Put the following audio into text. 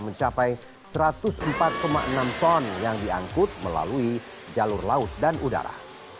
mencapai satu ratus empat enam ton yang diangkut melalui jalur laut dan udara